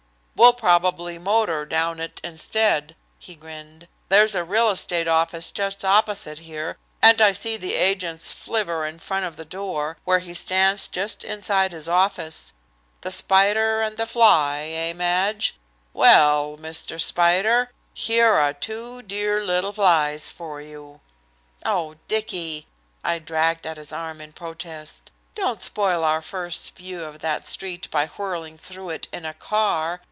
"We'll probably motor down it instead," he grinned. "There's a real estate office just opposite here, and I see the agent's flivver in front of the door, where he stands just inside his office. The spider and the fly, eh, Madge? Well, Mr. Spider, here are two dear little flies for you!" "Oh, Dicky!" I dragged at his arm in protest. "Don't spoil our first view of that street by whirling through it in a car.